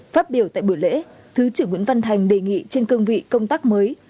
phát biểu tại buổi lễ thứ trưởng nguyễn văn thành đề nghị trên cương vị công tác mới